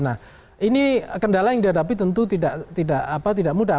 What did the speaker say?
nah ini kendala yang dihadapi tentu tidak mudah